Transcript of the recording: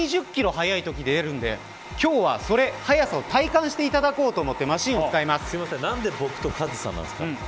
速いときで出るので今日はその速さを体感していただこうと思って何で僕とカズさんなんですか。